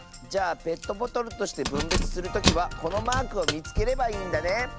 じゃあペットボトルとしてぶんべつするときはこのマークをみつければいいんだね。